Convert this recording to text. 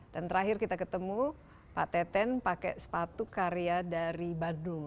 dan terakhir kita ketemu pak tete pakai sepatu karya dari bandung